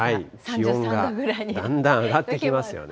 気温がだんだん上がってきますよね。